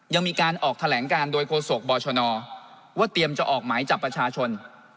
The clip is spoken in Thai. ยังมีการออกแถลงการโดยโฆษกบชนว่าเตรียมจะออกหมายจับประชาชน